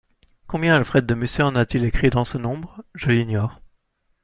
Combien Alfred de Musset en a-t-il écrit dans ce nombre ? Je l'ignore.